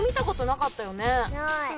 ない。